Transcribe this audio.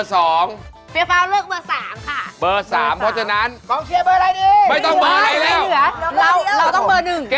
เรามันถ่ายสนุก